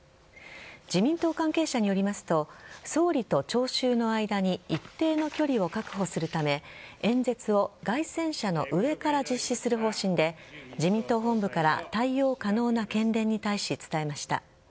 自民党関係者によりますと総理と聴衆の間に一定の距離を確保するため演説を街宣車の上から実施する方針で自民党本部から対応可能な県連に対し伝えました。